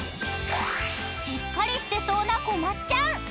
［しっかりしてそうなこまっちゃん］